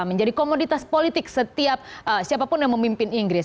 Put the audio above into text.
menjadi komoditas politik setiap siapapun yang memimpin inggris